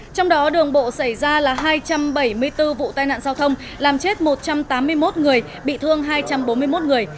trong đó đường bộ xảy ra là hai trăm bảy mươi bốn vụ tai nạn giao thông làm chết một trăm tám mươi một người bị thương hai trăm bốn mươi một người